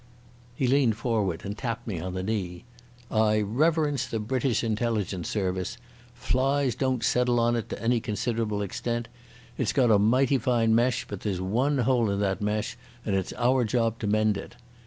He leaned forward and tapped me on the knee. "I reverence the British Intelligence Service. Flies don't settle on it to any considerable extent. It's got a mighty fine mesh, but there's one hole in that mesh, and it's our job to mend it.